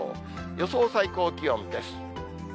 予想最高気温です。